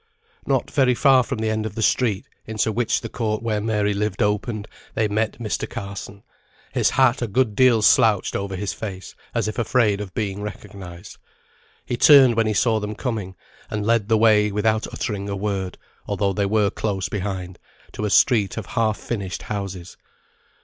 Not very far from the end of the street, into which the court where Mary lived opened, they met Mr. Carson, his hat a good deal slouched over his face as if afraid of being recognised. He turned when he saw them coming, and led the way without uttering a word (although they were close behind) to a street of half finished houses.